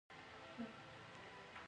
غزني د افغانستان د پوهنې نصاب کې شامل دي.